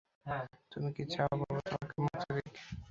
তুমি কি চাও বাবা তোমাকে মরতে দিক?